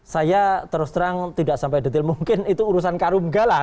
saya terus terang tidak sampai detail mungkin itu urusan karungga lah